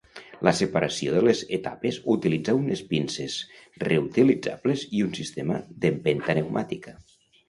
La separació de les etapes utilitza unes pinces reutilitzables i un sistema d'empenta pneumàtica.